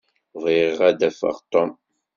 Bɣiɣ ad d-afeɣ Tom.